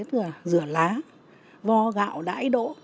rửa lá vo gạo đãi đỗ